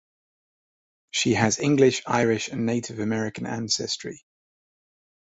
She has English, Irish and Native American ancestry.